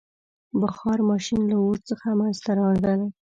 • بخار ماشین له اور څخه منځته راغی.